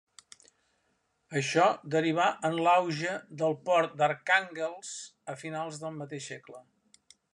Això derivar en l'auge del port d'Arkhànguelsk a finals del mateix segle.